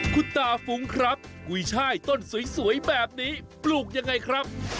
คุณตาฟุ้งครับกุยช่ายต้นสวยแบบนี้ปลูกยังไงครับ